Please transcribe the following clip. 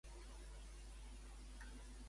Com havia quedat la figura de la Verge?